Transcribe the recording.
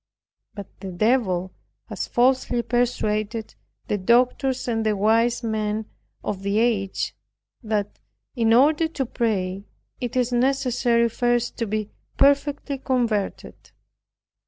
But the devil has falsely persuaded the doctors and the wise men of the age, that, in order to pray, it is necessary first to be perfectly converted.